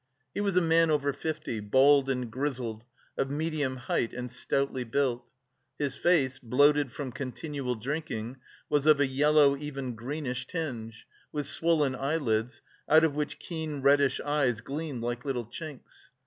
He was a man over fifty, bald and grizzled, of medium height, and stoutly built. His face, bloated from continual drinking, was of a yellow, even greenish, tinge, with swollen eyelids out of which keen reddish eyes gleamed like little chinks.